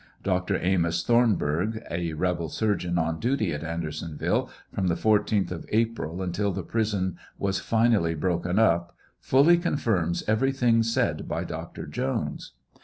Dr Amos Thornburgh, a rebel surgeon on duty at Andersonville from the 14th o April until the prison was finally broken up, fully confirms everything said bi Dr. Jones.